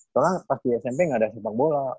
soalnya pas di smp nggak ada sepak bola